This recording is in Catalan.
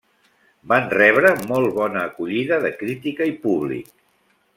Van rebre molt bona acollida de crítica i públic.